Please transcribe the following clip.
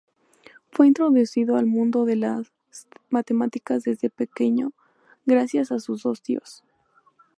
Fue introducido al mundo de las matemáticas desde pequeño gracias a sus dos tíos.